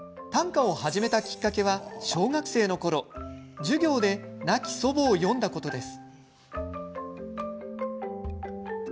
短歌を始めたきっかけは小学生のころ、授業で亡き祖母を詠んだことです。